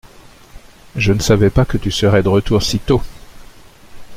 Je ne savais pas que tu serais de retour si tôt.